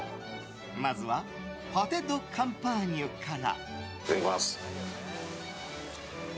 まずはパテ・ド・カンパーニュから。